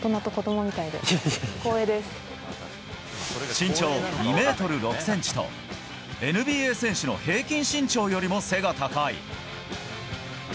身長２ｍ６ｃｍとＮＢＡ選手の平均身長よりも背が高い。